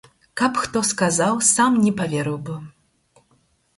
Каб хто сказаў, сам не паверыў бы.